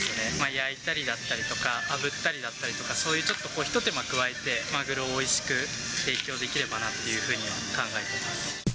焼いたりだったりとか、あぶったりだったりとか、そういうちょっとひと手間加えてマグロをおいしく提供できればなというふうに考えています。